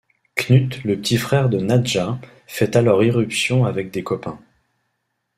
Knut, le petit frère de Nadja, fait alors irruption avec des copains.